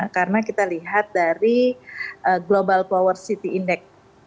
karena kita lihat dari global power city index